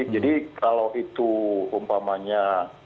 jadi kalau itu umpamanya